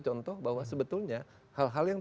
contoh bahwa sebetulnya hal hal yang